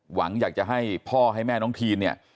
หวังอยากจะให้พ่อให้แม่น้องทีนเนี่ย